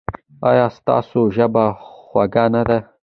ایا ستاسو ژبه خوږه نه ده؟